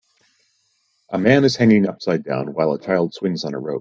A man is hanging upside down while a child swings on a rope.